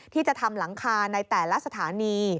ที่จะทำหลังคาในแต่ละสถานี